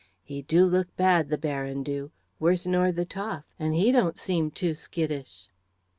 "He do look bad, the Baron do worse nor the Toff, and he don't seem too skittish!"